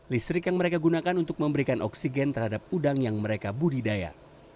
listrik yang mereka gunakan untuk memberikan oksigen terhadap udang yang mereka budidaya